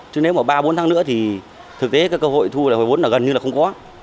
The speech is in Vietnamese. chứ nếu mà ba bốn tháng nữa thì thực tế cơ hội thu lời vốn là gần như là không có